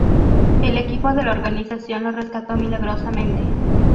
El equipo de la organización lo rescató milagrosamente.